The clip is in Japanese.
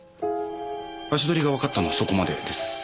足取りがわかったのはそこまでです。